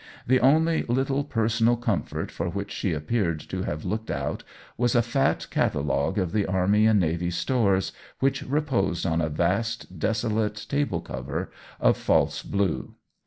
The only little personal com fort for which she appeared to have looked out was a fat catalogue of the Army and Navy Stores, which reposed on a vast, desolate table cover of false blue.